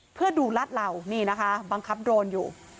เพื่อดูรัดเหล่านี่นะคะบังคับโดรนอยู่